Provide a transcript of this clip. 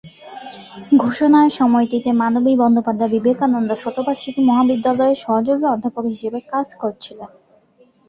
ঘোষণার সময়টিতে মানবী বন্দ্যোপাধ্যায় বিবেকানন্দ শতবার্ষিকী মহাবিদ্যালয়ে সহযোগী অধ্যাপক হিসেবে কাজ করছিলেন।